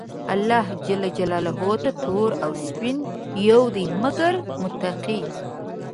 الله ج ته تور او سپين يو دي، مګر متقي.